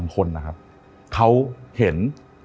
เขาเห็น